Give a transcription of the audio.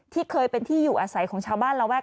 ที่เคยเป็นที่อยู่อาศัยของชาวบ้านระแวก